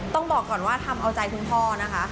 ต้องบอกก่อนว่าทำเอาใจคุณพ่อนะคะ